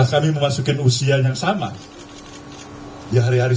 jika berkerjasama yang berkualitas